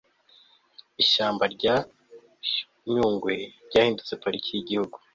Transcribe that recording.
ishyamba rya nyungwe ryahindutse pariki y'igihugu